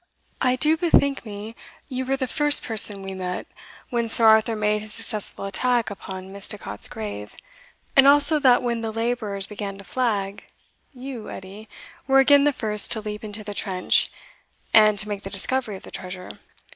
I do bethink me you were the first person we met when Sir Arthur made his successful attack upon Misticot's grave, and also that when the labourers began to flag, you, Edie, were again the first to leap into the trench, and to make the discovery of the treasure.